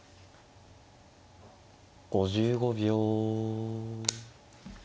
５５秒。